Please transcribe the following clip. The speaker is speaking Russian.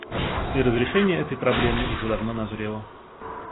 И разрешение этой проблемы уже давно назрело.